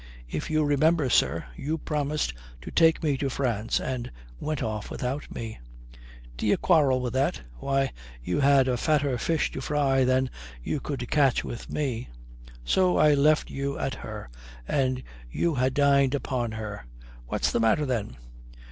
If you remember, sir, you promised to take me to France and went off without me." "D'ye quarrel with that? Why, you had a fatter fish to fry than you could catch with me. So I left you at her and you ha' dined upon her. What's the matter then?"